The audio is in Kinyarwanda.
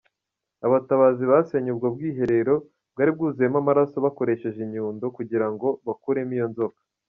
Abatabazi basenye ubwo bwiherero bwari bwuzuyeho amaraso bakoresheje inyundo ,kugira ngo bakuremo iyo nzoka.